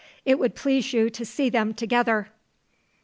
It would please you to see them together."